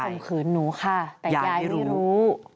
มขืนหนูค่ะแต่ยายไม่รู้